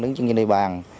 đứng trên địa bàn